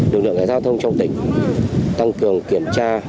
được được cảnh sát giao thông trong tỉnh tăng cường kiểm tra